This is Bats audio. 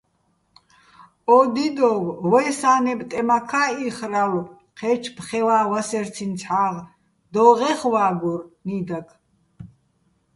ო დიდო́ვ ვაჲ სა́ნებ ტემაქა́ იხრალო̆ ჴე́ჩო̆ ფხევაჼ ვასერციჼ ცჰ̦აღ, დო́ღეხე̆ ვა́გურ, ნიდაგ.